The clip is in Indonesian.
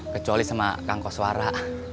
kecuali sama kang koswara